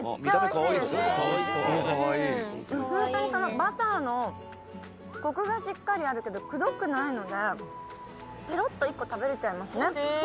バターのコクがしっかりあるけどくどくないのでペロッと１個食べられちゃいますね。